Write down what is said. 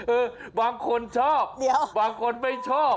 บางคนชอบบางคนไม่ชอบ